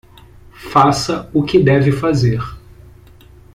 Faça o que você deve fazer